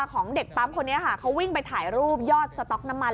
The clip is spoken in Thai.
ของเด็กปั๊มคนนี้ค่ะเขาวิ่งไปถ่ายรูปยอดสต๊อกน้ำมัน